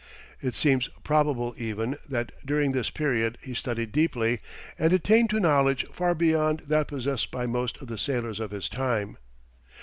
It seems probable even, that during this period he studied deeply, and attained to knowledge far beyond that possessed by most of the sailors of his time.